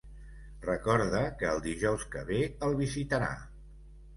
Recorda que el dijous que ve el visitarà.